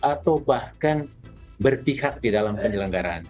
atau bahkan berpihak di dalam penyelenggaraan